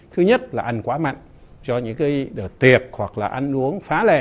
thứ nhất là ăn quá mạnh cho những cái tiệc hoặc là ăn uống phá lệ